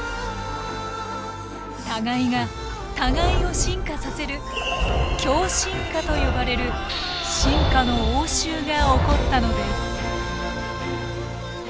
互いが互いを進化させる共進化と呼ばれる進化の応酬が起こったのです。